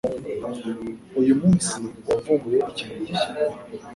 Uyu munsi wavumbuye ikintu gishya?